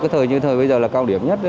thời như thời bây giờ là cao điểm nhất